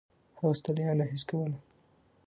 هغه ستړیا نه حس کوله.